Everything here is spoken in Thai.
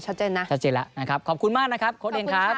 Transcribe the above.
ชัดเจนนะชัดเจนแล้วนะครับขอบคุณมากนะครับโค้ดเองครับ